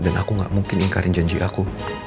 dan aku gak mungkin ingkarin janji aku